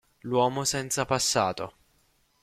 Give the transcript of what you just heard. L'uomo senza passato